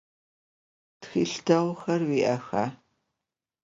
Txılh değuxer vui'exa?